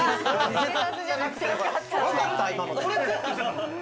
偽札じゃなくてよかった。